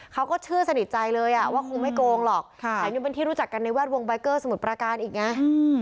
เขาก็เชื่อสนิทใจเลยว่าคงไม่โกงหรอกแถมยังเป็นที่รู้จักกันในแวดวงใบเกอร์สมุทรประการอีกไง